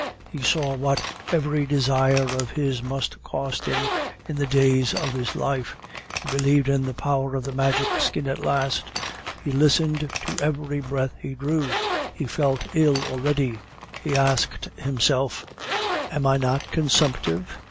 He saw what every desire of his must cost him in the days of his life. He believed in the powers of the Magic Skin at last, he listened to every breath he drew; he felt ill already; he asked himself: "Am I not consumptive?